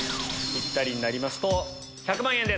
ピッタリになりますと１００万円。